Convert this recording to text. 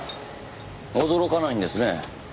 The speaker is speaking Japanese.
驚かないんですね。